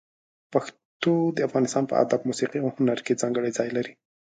پښتو د افغانستان په ادب، موسيقي او هنر کې ځانګړی ځای لري.